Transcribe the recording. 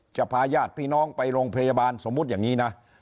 พาญาติพี่น้องไปโรงพยาบาลสมมุติอย่างนี้นะ